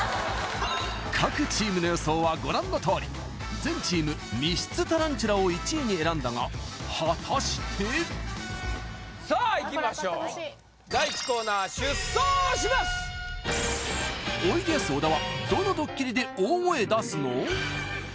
各チームの予想はご覧のとおり全チーム密室タランチュラを１位に選んだが果たしてさあいきましょうおいでやす小田はどのドッキリで大声出すの？